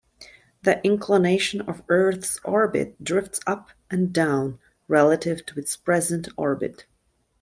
The inclination of Earth's orbit drifts up and down relative to its present orbit.